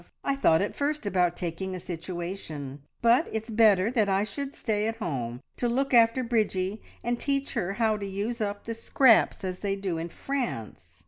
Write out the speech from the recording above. I thought at first about taking a situation, but it's better that I should stay at home to look after Bridgie, and teach her how to use up the scraps as they do in France.